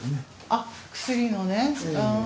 あっ薬のね。